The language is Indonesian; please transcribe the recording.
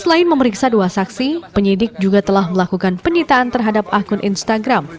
selain memeriksa dua saksi penyidik juga telah melakukan penyitaan terhadap akun instagram